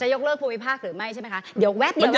ยกเลิกภูมิภาคหรือไม่ใช่ไหมคะเดี๋ยวแป๊บเดียว